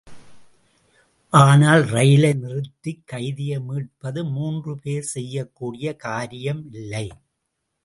ஆனால் ரயிலை நிறுத்திக் கைதியை மீட்பது மூன்று பேர் செய்யக்கூடிய காரியமில்லை.